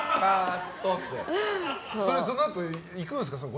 そのあと、行くんですか？